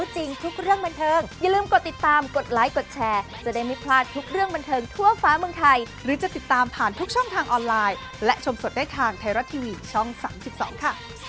เสียบรรเทิงบรรเทิงไทยรัก